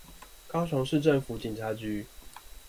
高雄市政府警察局